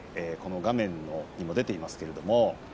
画面にも出ておりますけれども。